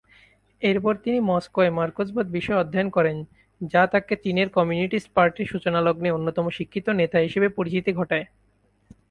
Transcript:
এরপর তিনি মস্কোয় মার্কসবাদ বিষয়ে অধ্যয়ন করেন যা তাকে চীনের কমিউনিস্ট পার্টির সূচনালগ্নে অন্যতম শিক্ষিত নেতা হিসেবে পরিচিতি ঘটায়।